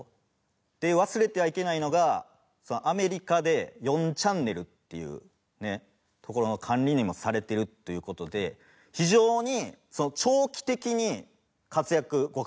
で忘れてはいけないのがアメリカで４チャンネルっていうねところの管理人もされてるという事で非常に。